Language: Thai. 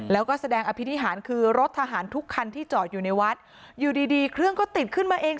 แล้วก็แสดงอภินิหารคือรถทหารทุกคันที่จอดอยู่ในวัดอยู่ดีดีเครื่องก็ติดขึ้นมาเอง